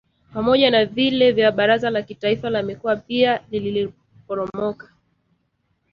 pamoja na vile vya Baraza la Kitaifa la Mikoa pia liliporomoka